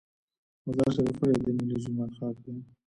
مزار شریف ولې د نیلي جومات ښار دی؟